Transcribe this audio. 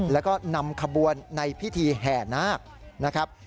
แล้วก็นำขบวนในพิธีแห่นาคนะครับ